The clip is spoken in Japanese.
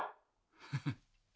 フフッ。